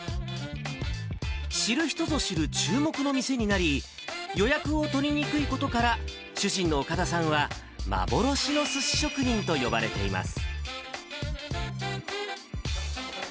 知る人ぞ知る注目の店になり、予約を取りにくいことから、主人の岡田さんは、幻のすし職人と呼ばれています。